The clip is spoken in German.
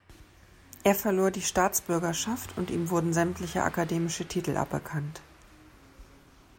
Er verlor die Staatsbürgerschaft und ihm wurden sämtliche akademische Titel aberkannt.